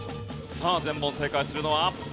さあ全問正解するのは？